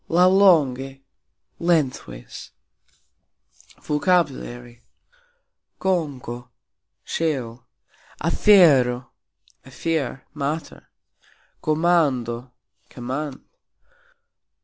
"Lauxlonge", lengthways. VOCABULARY. konko : shell afero : affair, matter. komando : command.